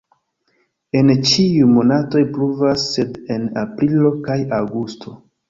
En ĉiuj monatoj pluvas, sed en aprilo kaj aŭgusto.